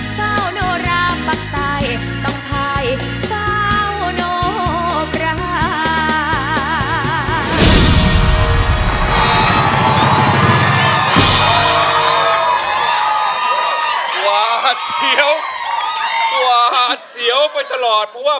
เศร้าโนรับปะใสต้องพายเศร้าโนปรา